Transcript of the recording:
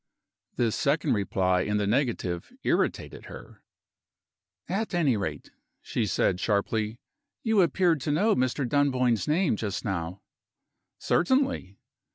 This second reply in the negative irritated her. "At any rate," she said, sharply, "you appeared to know Mr. Dunboyne's name, just now." "Certainly!"